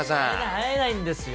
会えないんですよ。